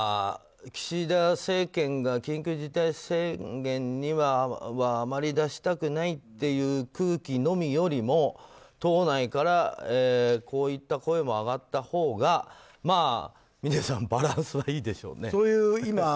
岸田政権が緊急事態宣言にはあまり出したくないという空気のみよりも党内からこういった声も上がったほうが峰さんバランスはいいでしょうね。